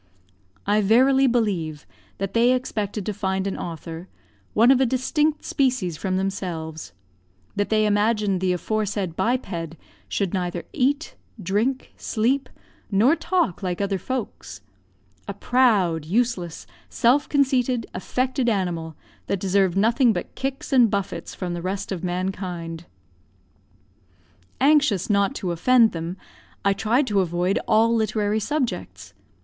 I verily believe that they expected to find an author one of a distinct species from themselves; that they imagined the aforesaid biped should neither eat, drink, sleep, nor talk like other folks; a proud, useless, self conceited, affected animal, that deserved nothing but kicks and buffets from the rest of mankind. Anxious not to offend them, I tried to avoid all literary subjects.